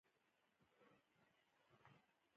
ما وويل که ستاسو اجازه وي.